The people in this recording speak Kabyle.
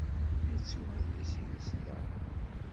Yettu adlis-nnes da.